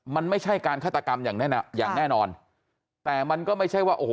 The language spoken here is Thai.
มันไม่ใช่การฆาตกรรมอย่างแน่นอนอย่างแน่นอนแต่มันก็ไม่ใช่ว่าโอ้โห